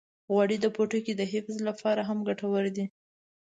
غوړې د پوټکي د حفظ لپاره هم ګټورې دي.